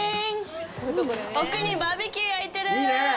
奥にバーベキュー焼いてる。